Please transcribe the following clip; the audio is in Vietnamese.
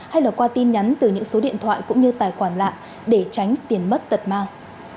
hay là qua tin nhắn từ những số điện thoại cũng như tài khoản lạ để tránh tiền mất tật mang